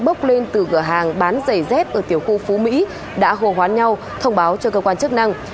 bốc lên từ cửa hàng bán giày dép ở tiểu khu phú mỹ đã hồ hoán nhau thông báo cho cơ quan chức năng